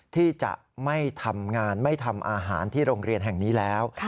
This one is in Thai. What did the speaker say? ที่จะไม่ทำงานไม่ทำอาหารที่โรงเรียนแห่งนี้แล้ว